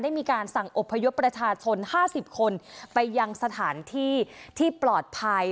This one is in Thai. ได้มีการสั่งอบพยุทธประชาชนห้าสิบคนไปยังสถานที่ที่ปลอดภัย